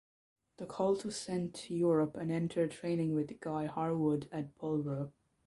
The colt was sent to Europe and entered training with Guy Harwood at Pulborough.